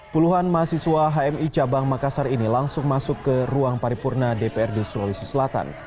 puluhan mahasiswa hmi cabang makassar ini langsung masuk ke ruang paripurna dprd sulawesi selatan